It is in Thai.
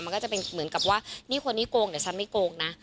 มันก็จะเป็นเหมือนกับว่านี่คนนี้โกงเดี๋ยวฉันไม่โกงนะ